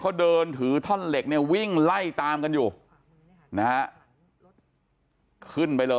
เขาเดินถือท่อนเหล็ก